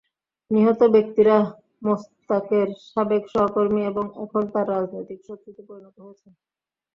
নিহত ব্যক্তিরা মোশতাকের সাবেক সহকর্মী এবং এখন তাঁর রাজনৈতিক শত্রুতে পরিণত হয়েছেন।